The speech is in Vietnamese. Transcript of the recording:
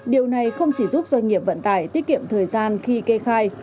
điều này không chỉ giúp doanh nghiệp vận tải tiết kiệm thời gian khi kê khai